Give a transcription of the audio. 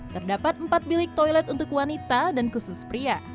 terdapat empat bilik toilet untuk wanita dan khusus pria